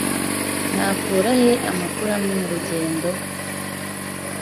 Nakura he amakuru amwe murugendo? )